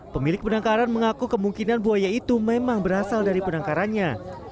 pemilik penangkaran mengaku kemungkinan buaya itu memang berasal dari penangkarannya